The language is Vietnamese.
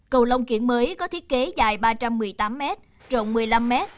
cầu long kiển mới có thiết kế dài ba trăm một mươi tám m trộn một mươi năm m